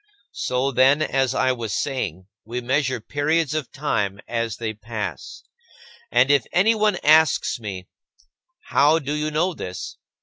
So, then, as I was saying, we measure periods of time as they pass. And if anyone asks me, "How do you know this?"